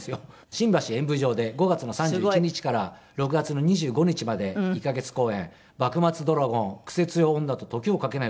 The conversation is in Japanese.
新橋演舞場で５月の３１日から６月の２５日まで１カ月公演『幕末ドラゴンクセ強オンナと時をかけない男たち』という。